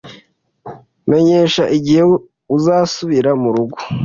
Menyesha igihe uzasubira murugo